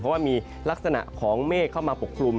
เพราะว่ามีลักษณะของเมฆเข้ามาปกคลุม